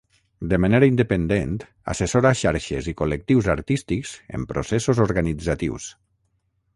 De manera independent, assessora xarxes i col·lectius artístics en processos organitzatius.